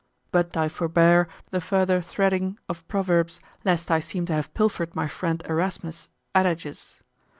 But I forbear the further threading of proverbs, lest I seem to have pilfered my friend Erasmus' adages.